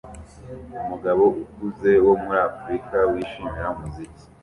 Umugabo ukuze wo muri africa wishimira umuziki